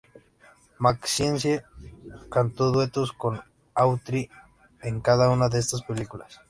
McKenzie cantó duetos con Autry en cada una de estas películas.